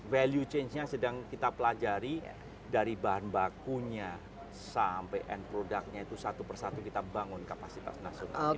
value change nya sedang kita pelajari dari bahan bakunya sampai end product nya itu satu persatu kita bangun kapasitas nasional